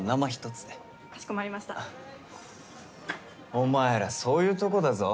お前らそういうとこだぞ。